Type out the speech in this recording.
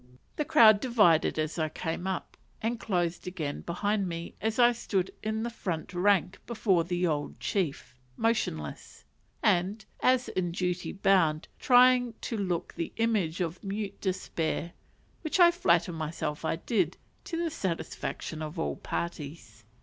The crowd divided as I came up, and closed again behind me as I stood in the front rank before the old chief, motionless; and, as in duty bound, trying to look the image of mute despair: which I flatter myself I did, to the satisfaction of all parties.